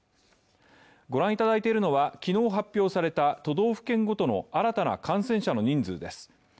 ご覧いただいているのは昨日、発表された都道府県ごとの新たな感染者の人数です。